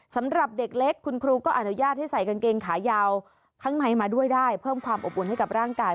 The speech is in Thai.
สำหรับเด็กเล็กคุณครูก็อนุญาตให้ใส่กางเกงขายาวข้างในมาด้วยได้เพิ่มความอบอุ่นให้กับร่างกาย